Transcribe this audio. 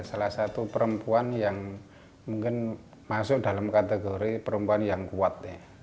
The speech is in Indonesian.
salah satu perempuan yang mungkin masuk dalam kategori perempuan yang kuat